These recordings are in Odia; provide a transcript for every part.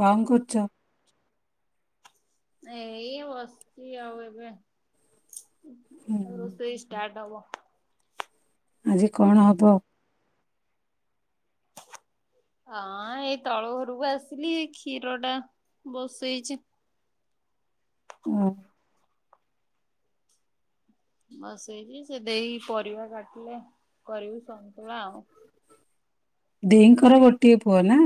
କଣ କରୁଛ? ଏ ଏଇ ବସିଛି। ଆଉ ଏବେ ହୁଁ ରୋଷେଇ ଷ୍ଟାଟ ହବ। ଆଜି କଣ ହବ? ହଁ ଏଇ ତଳ ଘରକୁ ଆସିଲି କ୍ଷୀର ଟା ବସେଇଛି। ଅ ବସେଇଲି ସେ ଦେଇ ପରିବା କାଟିଲେ କରିବି ସନ୍ତୁଳା ଆଉ। ଦେଇଙ୍କର ଗୋଟିଏ ପୁଅ ନା।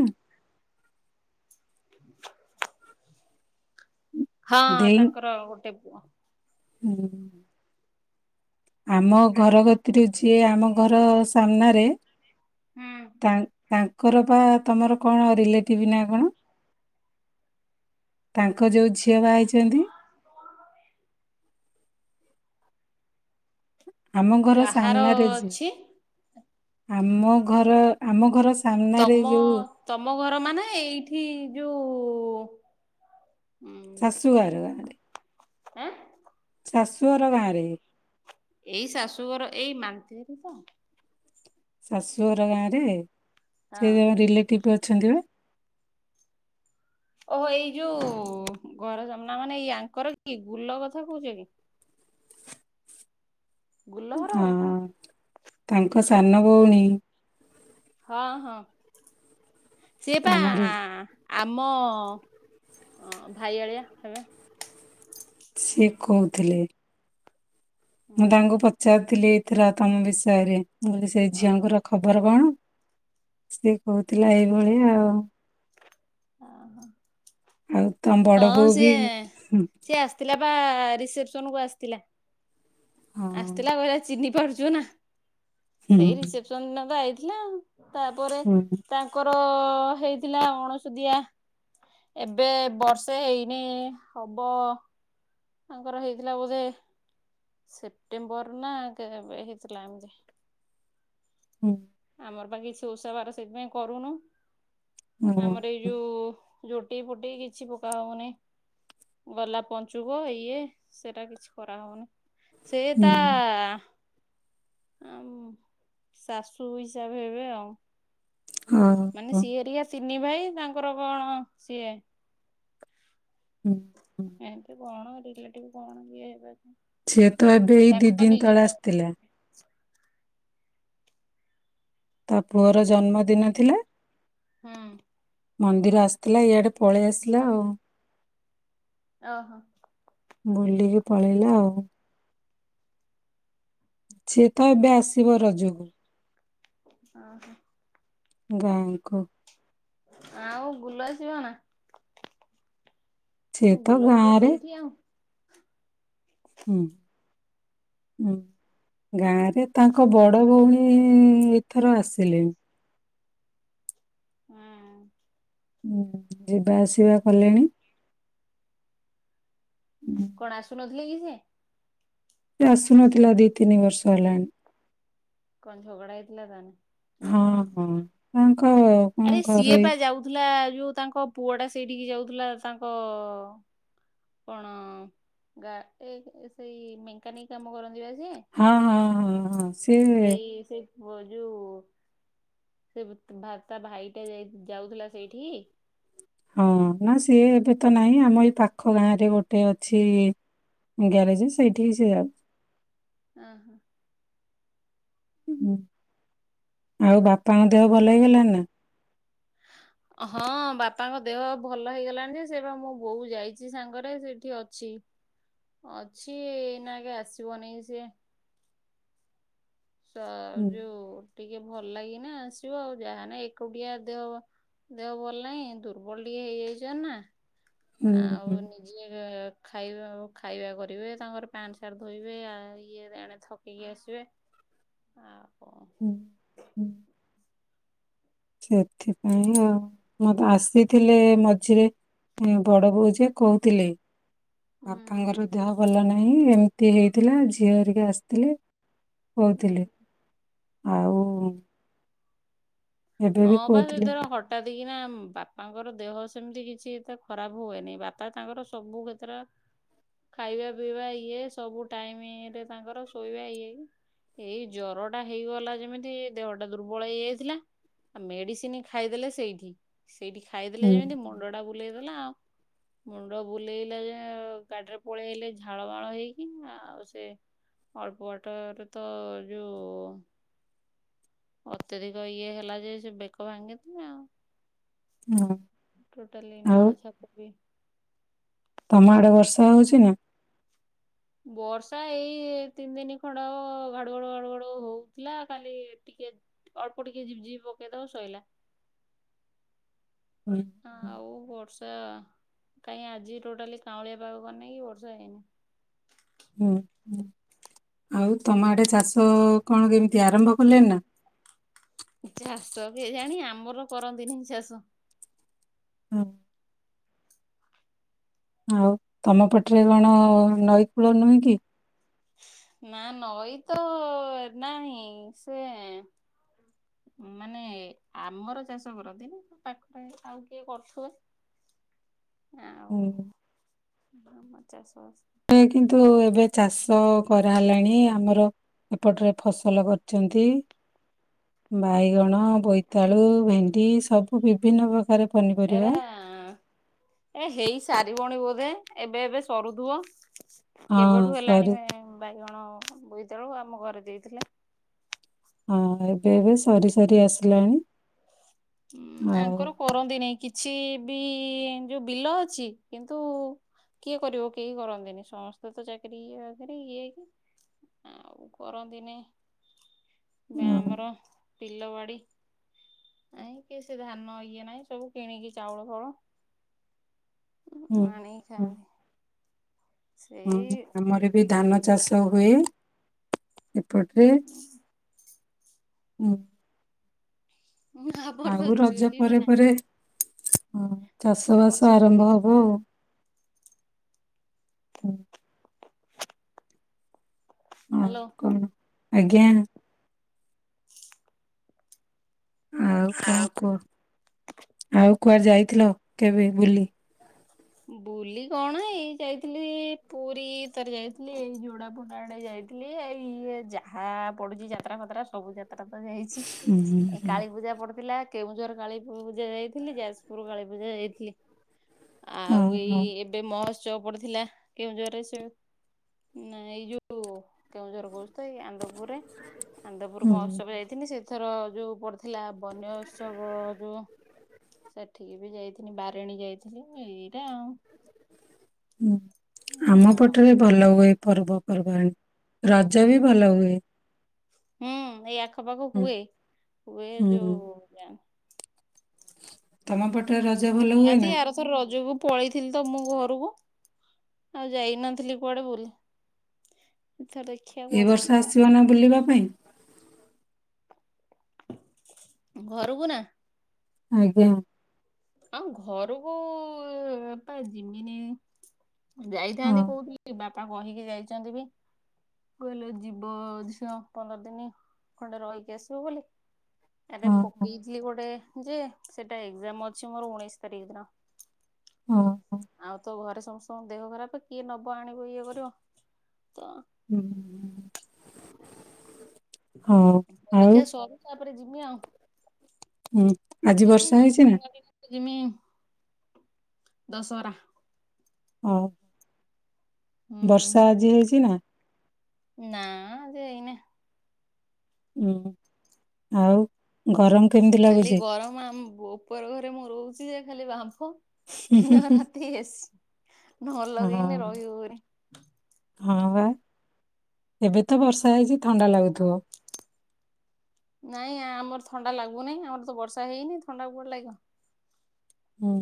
ହଁ ଦେଇ ତାଙ୍କର ଗୋଟେ ପୁଅ। ହୁଁ, ଆମ ଘର କତିରେ ସିଏ ଆମ ଘର ସାମ୍ନାରେ ହୁଁ, ତା ତାଙ୍କର ବା ତମର କଣ ରିଲେଟିଭ ନା କଣ ତାଙ୍କ ଯୋଉ ଝିଅ ବାହା ହେଇଛନ୍ତି ଆମ ଘର କାହାର ସାମ୍ନାରେ ଯିଏ। ଅଛି? ଆମ ଘର ଆମ ଘର ସା ତମ ତମ ଘର ମାନେ ଏଇଠି ଯୋଉ ହୁଁ ଶାଶୁ ଗର ଗାଁରେ। ଆଁ ଶାଶୁ ଘର ଗାଁରେ। ଏଇ ଶାଶୁଘର ଏଇ ମାନ୍ତିରି ରେ ତ। ଶାଶୁଘର ଗାଁ ରେ। ସେଇ ଯୋଉ ରିଲେଟିଭ୍ ଅ ଅଛନ୍ତି। ଓହୋ ଏଇ ଯୋଉ ଘର ସାମନା ମାନେ ଏଇ ଆଙ୍କର କି ଗୁଲ କଥା କହୁଛ କି? ଗୁଲହର ହଁ। ତାଙ୍କ ସାନ ଭଉଣୀ। ହଁ ହଁ। ସିଏ ପା ତମରି ଆମ ଭାଇ ଆଳିଆ ହେବେ। ସିଏ କହୁଥିଲେ। ମୁଁ ତାଙ୍କୁ ଓ ପଚାରି ଥିଲି ଏଇଥିର ତମ ବିଷୟରେ। ମୁଁ କଲି ସେ ଝିଅଙ୍କର ଖବର କଣ। ସିଏ କହୁଥିଲା ଏଇଭଳିଆ ଆଉ। ଅହୋ। [inaudible] ଆଉ ତମ ବଡ ବୋଉ ବି ହୁଁ। ପା ରିସେପସନ କୁ ଆସିଥିଲା। ହଁ ଆସିଥିଲା କହିଲା ଚିିନି ପାର୍ଚୁନା। ହୁଁ ସେଇ ରିସେପସନ ଦିନ ତ ଆ ଇଥିଲା ଆଉ। ତାପରେ ହୁଁ ତାଙ୍କର ଅ ହେଇଥିଲା ଅଣସୁଧିଆ ଏବେ ବର୍ଷେ ହେଇନେଇ ହବ। ତାଙ୍କର ହେଇଥିଲା ବୋଧେ ସେପ୍ଟେମ୍ବର ନା କେବେ ହେଇଥିଲା ଏମିତି। ହୁଁ। ଆମର ପା କିଛି ଓଷା ବାର ସେଥିପାଇଁ କରୁନୁ। ହଁ ଆମର ଏଇ ଯୋଉ ଜୋଟି ଫୁଟି କିଛି ପକା ହେଉନି। ଗଲା ପଞ୍ଚୁକ ଇଏ ସେଇଟା କିଛି କରାହଉନି। ସେଇ ହୁଁ ତା ଆମ ଶାଶୁ ସୁ ହିସାବ ହେବେ ଆଉ। ହଁ ହଁ। ନି ଭାଇ ତାଙ୍କର କଣ ସିଏ ହୁଁ ହୁଁ। [unintelligible] କଣ ପିଲାଟିକୁ କଣ କିଏ ହେବା ସିଏ ତ ଏବେ ଏଇ ଦି ଦିନ ତଳେ ଆସିଥିଲା। ତା ପୁଅର ଜନ୍ମଦିନ ଥିଲା। ହଁ। ମନ୍ଦିର ଆସିଥିଲା ଇଆଡେ ପଳେଇ ଆସିଲା ଆଉ। ଓହୋ। ବୁଲିକି ପଳେଇଲା ଆଉ ସିଏ ତ ଏବେ ଆସିବ ରଜକୁ। ଅହଂ। ଗାଇଙ୍କୁ ଆଉ ଗୁଲ ଯିବନା? ସିଏ ଗୁଲ ତ ଗାଁରେ ସେଇଠି ଆଉ। ଉଁ, ଉଁ, ଗାଁ ର ତାଙ୍କ ବଡ ଭଉଣୀ ଏ, ଏଥର ଆସିଲେ। ହଁ। ଉଁ, ଯିବା ଆସିବା କଲେଣି। ଉଁ କଣ ଆସୁନ? [unintelligible] ସେ ଆସୁନଥିଲା ଦିଇ ତିନି ବର୍ଷ ହେଲାଣି। କଣ ଝଗଡ଼ା ହେଇଥିଲା ତାହେନ ନା ହଁ କଣ? [unintelligible] କଣ ଆରେ ସିଏ ଘରୋଇ ପା ଯାଉଥିଲା। ଯୋଉ ତାଙ୍କ ପୁଅ ଟା ସେଇଠିକି ଯାଉଥିଲା ତାଙ୍କ କଣ ଗା ଏ ସେଇ ମେଙ୍କାନିକ କାମ କରନ୍ତି ବା ସିଏ। ହଁ ହଁ ହଁ ହଁ ସିଏ ବଜୁ ସେ ତା ଭାଇଟା ଯାଉଥିଲା ସେଇଠିକି? ହଁ ନା ସିଏ ଏବେ ତ ନାହିଁ ଆମ ଏଇ ପାଖ ଗାଁରେ ଗୋଟେ ଅଛି ଗ୍ୟାରେଜ ସେଇଠିକି ସିଏ ଯାଉଚି। ହଁ ହୋ। ଆଉ ବାପାଙ୍କ ଦେହ ଭଲ ହେଇଗଲାଣି ନା? ହଁ ବାପାଙ୍କ ଦେହ ଭଲ ହେଇଗଲାଣି ଯେ ସେ ବା ମୁଁ ବୋଉ ଯାଇଛି ସାଙ୍ଗରେ ସେଠି ଅଛି ଅଛି ଏଇନାଙ୍କେ ଆସିବନି ସିଏ। ସ ହୁଁ ଯୋଉଁ ଟିକେ ଭଲ ଲାଗିନା ଆସିବ ଆଉ ଯାହାନେ ଏକୁଟିଆ ଦେହ ଦେହ ଭଲ ନାହିଁ ଦୁର୍ବଳ ଟିକେ ହେଇଯାଇଛ ନା। ହୁଁ ହୁଁ ଆଉ ନିଜର। ଖାଇବା ଓ ଖାଇବା କରିବେ ତାଙ୍କର ପ୍ୟାଣ୍ଟ ସାର୍ଟ ଧୋଇବେ ଆ ଇଏ ଏଣେ ଥକିକି ଆସିବେ। ଆଉ କଣ? ହୁଁ। ହୁଁ ସେଥିପାଇଁ ଆଉ, ମତ ଆସିଥିଲେ ମଝିରେ ବଡବୋଉ ଯେ କହୁଥିଲେ। ହୁଁ ବାପାଙ୍କର ଦେହ ଭଲ ନାଇ ନାଇଁ ଏମିତି ହେଇଥିଲା ଝିଅ ହେରିକି ଆସିଥିଲେ। କହୁଥିଲେ [unintelligible] ଆଉ ଏବେ ବି କହୁଥିଲେ। ଏତିକିନା ବାପାଙ୍କର ଦେହ ସେମିତି କିଛି ଏତେ ଖରାପ ହୁଏନି। ବାପା ତାଙ୍କର ସବୁ କ୍ଷେତ୍ର ଖାଇବା ପିଇବା ଇଏ ସବୁ ଟାଇମ ରେ ତାଙ୍କର ଶୋଇବା ଇଏ, ଏଇ ଜରଟା ହେଇଗଲା ଯେମିତି ଦେହଟା ଦୁର୍ବଳ ହେଇଯାଇଥିଲା। ଆ ମେଡିସିନ ଖାଇଦେଲେ ସେଇଠି। ସେଇଠି ଖାଇଦେଲେ ହୁଁ ଯେମିତି ମୁଣ୍ଡଟା ବୁଲେଇଦେଲା ଆଉ ମୁଣ୍ଡ ବୁଲେଇଲା ଯେ, ଗାଡିରେ ପଳେଇଲେ ଝାଳ ମାଳ ହେଇକି। ଆଉ ସେ ଅଳ୍ପ ବାଟରେ ତ ଯୋଉ ଅତ୍ୟଧିକ ଇଏ ହେଲା ଯେ, ସେ ବେକ ଭାଙ୍ଗିଥିଲେ ଆଉ। ହଁ। ଟୋଟାଲି ଆଉ ନାଳଛାପ ପି ତମ ଆଡେ ବର୍ଷା ହଉଚି ନା? ବର୍ଷା ଏଇ ତିନିଦିନ ଖଣ୍ଡ ହବ ଘାଡୁ ଘାଡୁ ଘାଡୁ ଘାଡୁ ହୋଉଥିଲା ଖାଲିଟିକେ ଅଳ୍ପଟିକେ ଝିପଝିପି ପକେଇଦବ ସଇଲା। ହୁଁ ହଁ ଆଉ ବର୍ଷା, କାହିଁ ଆଜି ଟୋଟାଲି କାଉଁଳିଆ ପାଗ କରିନେଇ କି ବର୍ଷା ହୁଁ ହେଇନି। ହୁଁ। ଆଉ ତମ ଆଡେ ଚାଷ କଣ କେମିତି ଆରମ୍ଭ କଲେଣି ନା? ଚାଷ କେଜାଣି ଆମର କରନ୍ତି ନାହିଁ ଚାଷ। [unintelligible] ଆଉ ତମ ପଟରେ କଣ ନଈ କୂଳ ନୁହେଁ କି? ନା, ନଈ ତ ନାହିଁ। ସେ ମାନେ ଆମର ଚାଷ କରନ୍ତିନି। ପାଖରେ ଆଉ କିଏ କରୁଥିବେ। ଆଉ ହୁଁ ହୁଁ ଆମ ଚାଷସ ଏ କିନ୍ତୁ ଏବେ ଚାଷ କରାହେଲାଣି। ଆମର ଏପଟରେ ଫସଲ କରିଛନ୍ତି। ବାଇଗଣ ହଁ ବୋଇତାଳୁ, ଭେଣ୍ଡି, ସବୁ। ବିଭିନ୍ନ ପ୍ରକାର ଏରା ପନିପରିବା ଏ ହେଇ ସାରିବଣି ବୋଧେ। ଏବେ ଏବେ ସରୁଥୁବ। ହଁ କେବେଠୁ ହେଲାଣି ସରି ବାଇ-ବାଇଗଣ ବୋଇତାଳୁ ଆଉ। ଆମ ଘରେ ଦେଇଥିଲେ। ହଁ, ଏବେ ଏବେ ସରି ସରି ଆସିଲାଣି। ଆଉ ଆଙ୍କର କରନ୍ତିନାଇଁ କିଛି ବି ଯୋଉ ବିଲ ଅଛି, କିନ୍ତୁ କିଏ କରିବ? କେହି କରନ୍ତିନି। ସମସ୍ତେ ତ ଚାକିରି ଇ-ବାକିରି ଇଏ ହେଇକି, ଆଉ କରନ୍ତିନେଇ ବା ଅଁ, ଆମର ବିଲ ବାଡି ନାଇଁ କି ସେ ଧାନ ଇଏ ନାଇଁ ସବୁ କିଣିକି ଚାଉଳ ଫାଉଳ ହୁଁ, ଆଣିକି ଖାଆନ୍ତି। ହଁ ସେଇ ଆମର ବି ଧାନ ଚାଷ ହୁଏ। [inaudible] ପଟି [unintelligible] ହୁଁ। ଆମର ତ ଆଉ ରଜ ଚୁଲି ବି ପରେ ନାହିଁ ପରେ ହୁଁ। ଆମର ଚାଷବାସ ସବୁ ଆରମ୍ଭ ଗ୍ୟାସ୍। ହବ ଆଉ। ହୁଁ। ଆଉ ଆଲୋ କଣ ଆଜ୍ଞା। ଆଉ କଣ କୁହ। ଆଉ କୁଆଡେ ଯାଇଥିଲ କେବେ ବୁଲି? ବୁଲି କଣ ଏଇ ଯାଇଥିଲି ପୁରୀ ଥରେ ଯାଇଥିଲି ଏଇ ଯୋଡା ପୋଡ଼ା ଆଡେ ଯାଇଥିଲି ଏଇ ଇଏ ଯାହା ପଡୁଛି ଯାତ୍ରା ଫାତ୍ରା ସବୁ ଯାତା ତଟା ତ ଯାଇଛି ହୁଁ ହୁଁ [unintelligible] ଏଇ ହୁଁ କାଳୀ ପୂଜା ପଡିଥିଲା। କେଉଁ ଜୋର କାଳି [unintelligible] ଯାଇଥିଲି ଯାଜପୁର କାଳୀ ମୁଁ ଜାଇଥିଲି ଆଉ ହଁ ଏଇ ହଁ ଏବେ ମହସ ଚ ପଡିଥିଲା କେଉଁଝରରେ ସେ ନା ଏଇ ଯୋଉ କେଉଁଝର କ ତ ଏଇ ଆନ୍ଦପୁରରେ ଆନ୍ଦପୁର ହୁଁ ମହୋତ୍ସବ ଯାଇଥିଲ ସେଥର ଯୋଉ ପଡ଼ିଥିଲା ବନ୍ୟ ଉତ୍ସବ ଯୋଉ ସେଠିକି ବି ଯାଇଥିଲି ବାରିଣୀ ଯାଇଥିଲି। ଏଇଟା ଆଉ। ହୁଁ ଆମ ଆଉ ପଟରେ ଭଲ ହୁଏ। ପର୍ବପର୍ବାଣି। ରଜ ହୁଁ ବି ଭଲ ହୁଏ। ହୁଁ ଏଇଆ ଖ ବାକୁ ହୁଁ ହୁଏ ହୁଏ ଯଉ ହୁଁ ଜା ତମ ପଟ ପଟ ରଜ ଭଲ ହୁଏ ଯାଆନ୍ତି ନା? ଆରଥର ରଜକୁ ପଳେଇଥିଲି ତ ମୁଁ ଘରକୁ ଆଉ ଯାଇନଥିଲି କୁଆଡ଼େ ବୁଲି। ଏଥର ଦେଖିବା ଏ କୁଆଡେ ବର୍ଷ ଯିବା। ଆସିବ ନା ବୁଲିବା ପାଇଁ? ଘରକୁ ନା? ଆଜ୍ଞା। ଆଉ ଘରକୁ ଏବେ ଜିମିନେଇ। ଯାଇଥାନ୍ତି ହଁ କୋଉଠି ବାପ ପା କହିକି ଯାଇଚନ୍ତି କି କହିଲେ ଯିବ ଝିଅ ପନ୍ଦର ଦିନି ଖଣ୍ଡେ ରହିକି ଆସିବ ବୋଲି। ଆରେ ହଁ ହଁ ପକଇଥିଲି ଗୋଟେ ଯେ ସେଟା ଏକଯାମ ଅ- ଅଛି ମୋର ଉଣେଇଶ ତାରିଖ ଦିନ। ହଁ ହଁ। ଆଉ ତ ଘରେ ସମସ୍ତଙ୍କ ଦେହ ଖରାପ କିଏ ନେବ ଆଣିବ ଇଏ କରିବ। ତ। ହୁଁ। ହଁ ଆଉ। ପରୀକ୍ଷା ସରୁ ତାପରେ ଜିମି ଆଉ। ଉଁ ଆଜି ଯିମି ବର୍ଷା ହେଇଛି ନା? ନହେଲେ [unintelligible] ଯିମି। ଦଶହରା। ଅ। ହୁଁ ବର୍ଷା ଆଜି ହେଇଛି ନା? ନା ସେଇ ଏନେ। ହୁଁ ଆଉ। ଗରମ କେମିତି ଖାଲି ଲାଗୁଛି? ଗରମ ଆମ ଉପର ଘରେ ମୁଁ ରହୁଛିଯେ - ଖାଲି ବା ହୁଁ ହୁଁ ଦିନ ହୁଁ ରାତି ଏସି ନ ଲଗେଇଲେ ରହି ହଁ ହଉନି। ହଁ ଭ ଏବେ ତ ବର୍ଷା ହେଇଛି ଥଣ୍ଡା ଲାଗୁଥିବ। ନାଇଁ ଆମର ଥଣ୍ଡା ଲାଗୁନାହିଁ, ଆମର ତ ବର୍ଷା ହେଇନି ଥଣ୍ଡା କୋଉଠୁ ଲାଗିବ। ହୁଁ।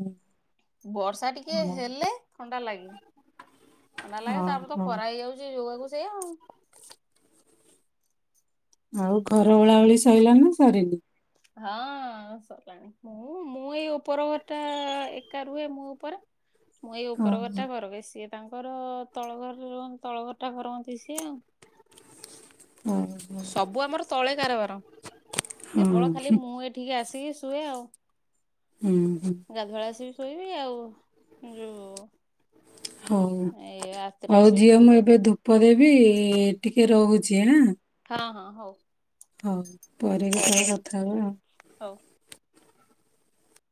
ବର୍ଷା ଟିକେ ହଉ ହେଲେ ଥଣ୍ଡା ଲାଗେ ଥଣ୍ଡା ହଁ ଲାଗେ, ତାପରେ ତ ହଁ ଖରା ହେଇଯାଉଛି ଯୋଗକୁ ସେଇ ଆଉ। ଆଉ ଘର ଓଳାଓଳି ସାରିଲାଣି ନା ସରିନି। ହଁ ସରିଲଣି ମୁଁ ମୁଁ ଏଇ ଉପର ଟା ଏକା ରୁହେ ମୋ ଉପରେ ମୁଁ ଏ ହଁ ଉପର କଟା ଘର ବସି। ତାଙ୍କର ତଳ ଘର ର ତଳ ଘର ଟା କରରନ୍ତି ସିଏ ଆଉ। ହଁ ହଁ ସବୁ ଆମର ତଳେ କାରବାର, ହଁ, କେବଳ ଖାଲି ହୁଁ ମୁଁ ଏଠିକି ଆସେ। ହୁଁ ହୁଁ [unintelligible] ଗାଧୁଆ ଆସିବି ଶୋଇବି ଆଉ। [unintelligible] ହଉ ଏ ରାତିରେ ଆଉ ଆସିବି ଝିଅ ମୁଁ ଶୋଇବି ଏବେ ଧୂପ ଦେଇି ଏ ବ ଟିକେ ରହୁଛି ଆଁ। ହଁ ହଁ ହଉ। ହଉ ପରେ କେତେବେଳେ କଥା ହବ ଆ। ହଉ।